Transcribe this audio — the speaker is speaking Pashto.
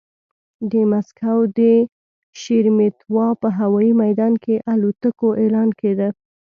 د مسکو د شېرېمېتوا په هوايي ميدان کې الوتکو اعلان کېده.